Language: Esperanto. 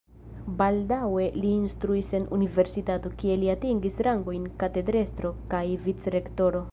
Baldaŭe li instruis en universitato, kie li atingis rangojn katedrestro kaj vicrektoro.